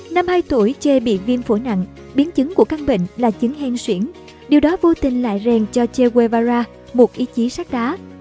năm hai tuổi che bị viêm phổi nặng biến chứng của căn bệnh là chứng hen xuyển điều đó vô tình lại rèn cho che guevara một ý chí sát đá